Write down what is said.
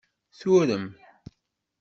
Turem.